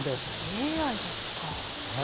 ＡＩですか。